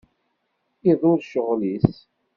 Iḍul ccɣel-is.